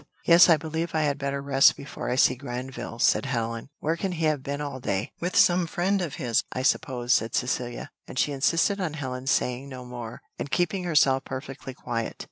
"Yes, I believe I had better rest before I see Granville," said Helen: "where can he have been all day?" "With some friend of his, I suppose," said Cecilia, and she insisted on Helen's saying no more, and keeping herself perfectly quiet.